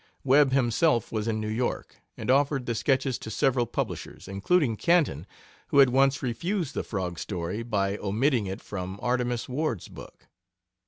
Webb himself was in New York, and offered the sketches to several publishers, including Canton, who had once refused the Frog story by omitting it from Artemus Ward's book.